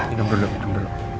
ini duduk duduk duduk